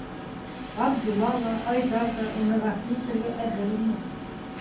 Ғабдулла ла, Айҙар ҙа уны ғәфү итергә әҙер ине.